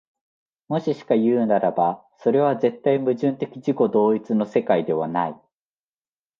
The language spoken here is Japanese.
もししかいうならば、それは絶対矛盾的自己同一の世界ではない。